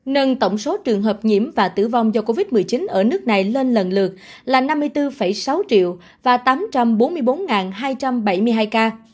nâng tổng số trường hợp nhiễm và tử vong do covid một mươi chín ở nước này lên lần lượt là năm mươi bốn sáu triệu và tám trăm bốn mươi bốn hai trăm bảy mươi hai ca